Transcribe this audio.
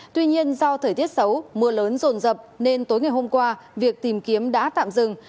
tuy nhiên do thời tiết xấu mưa lớn rồn rập nên tối ngày hôm qua việc tìm kiếm đã tạm dừng